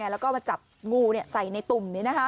แล้วก็เจ้าหนูเนี่ยใส่ในตุ่ม